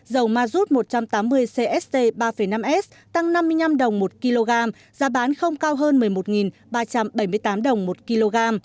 dầu mazut một trăm tám mươi cst ba năm s tăng năm mươi năm đồng một kg giá bán không cao hơn một mươi một ba trăm bảy mươi tám đồng một kg